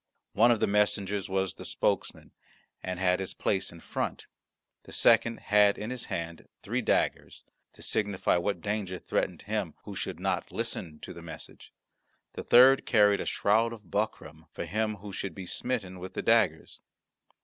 One of the messengers was the spokesman, and had his place in front; the second had in his hand three daggers, to signify what danger threatened him who should not listen to the message; the third carried a shroud of buckram for him who should be smitten with the daggers.